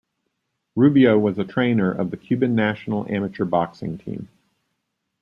Rubio was a trainer of the Cuban national amateur boxing team.